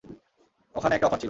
ওখানে একটা অফার ছিলো।